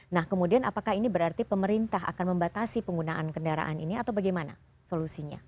nah kemudian apakah ini berarti pemerintah akan membatasi penggunaan kendaraan ini atau bagaimana solusinya